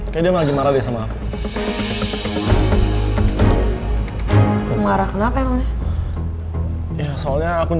kayaknya dia lagi marah deh sama aku